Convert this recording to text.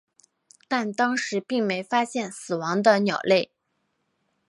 但当时并没发现死亡的鸟类。